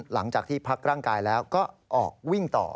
หลังจากที่พักร่างกายแล้วก็ออกวิ่งต่อ